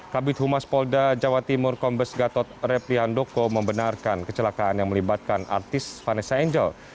kabit humas polda jawa timur kombes gatot repli handoko membenarkan kecelakaan yang melibatkan artis vanessa angel